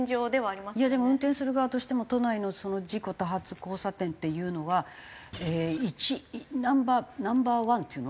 でも運転する側としても都内の事故多発交差点っていうのは１ナンバーワンっていうの？